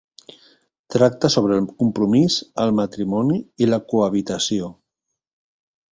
Tracta sobre el compromís, el matrimoni i la cohabitació.